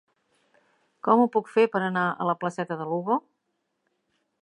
Com ho puc fer per anar a la placeta de Lugo?